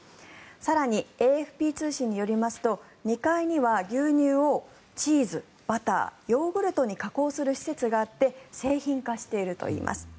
更に、ＡＦＰ通信によりますと２階には、牛乳をチーズ、バター、ヨーグルトに加工する施設があって製品化しているといいます。